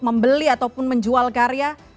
membeli ataupun menjual karya